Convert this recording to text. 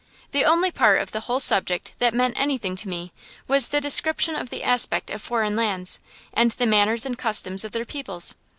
The only part of the whole subject that meant anything to me was the description of the aspect of foreign lands, and the manners and customs of their peoples.